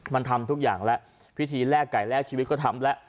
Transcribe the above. มันทำทุกอย่างแล้วพิธีแลกไก่แลกชีวิตก็ทำแล้ว